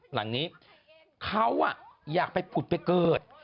หลังนี้เขาอยากไปผุดไปเกิด